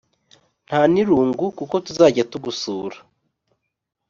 nta n’irungu kuko tuzajya tugusura.